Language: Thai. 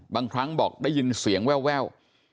บางครั้งบอกได้ยินเสียงแวว